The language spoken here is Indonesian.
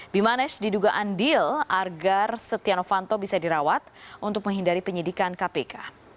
bimanesh diduga andil agar setia novanto bisa dirawat untuk menghindari penyidikan kpk